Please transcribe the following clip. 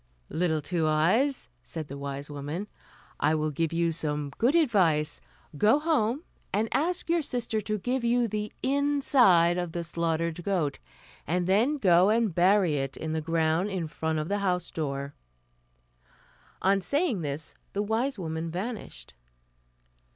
"Little Two Eyes," said the wise woman, "I will give you some good advice. Go home, and ask your sister to give you the inside of the slaughtered goat, and then go and bury it in the ground in front of the house door." On saying this the wise woman vanished.